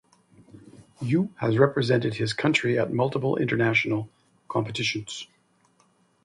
Yu has represented his country at multiple international competitions.